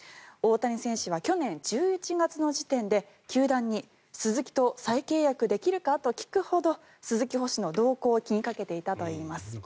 大谷選手は去年１１月の時点で球団にスズキと再契約できるか？と聞くほどスズキ捕手の動向を気にかけていたといいます。